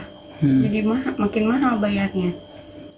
jadi makin mahal bayarnya